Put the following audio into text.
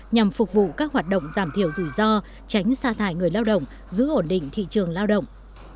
nhằm phục vụ các hoạt động giảm thiểu rủi ro tránh xa thải người lao động giữ ổn định thị trường lao động